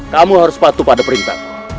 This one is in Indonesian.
kamu harus patuh pada perintah